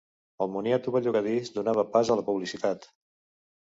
El moniato bellugadís donava pas a la publicitat.